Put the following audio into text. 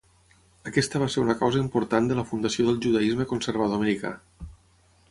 Aquesta va ser una causa important de la fundació del judaisme conservador americà.